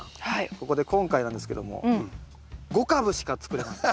ここで今回なんですけども５株しか作れません。